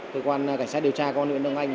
cơ quan cảnh sát điều tra công an huyện đông anh